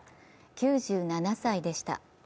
９７歳でした。